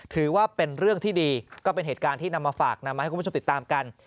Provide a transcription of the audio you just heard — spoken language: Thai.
ถือว่าเป็นเรื่องที่ดีก็เป็นเหตุการณ์ที่นำมาฝากนำมาให้คุณผู้ชมติดตามกัน